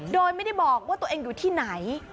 โดยไม่ได้บอกว่าตัวเองอยู่ที่ไหน